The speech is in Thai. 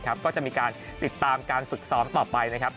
ก็จะมีการติดตามการฝึกซ้อมต่อไปนะครับ